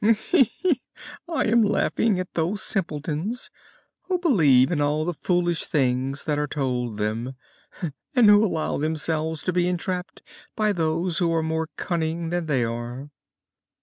"I am laughing at those simpletons who believe in all the foolish things that are told them, and who allow themselves to be entrapped by those who are more cunning than they are."